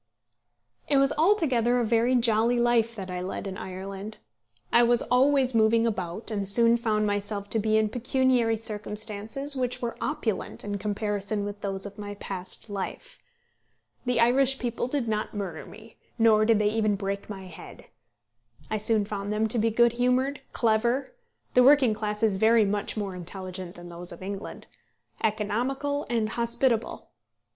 It was altogether a very jolly life that I led in Ireland. I was always moving about, and soon found myself to be in pecuniary circumstances which were opulent in comparison with those of my past life. The Irish people did not murder me, nor did they even break my head. I soon found them to be good humoured, clever the working classes very much more intelligent than those of England economical, and hospitable.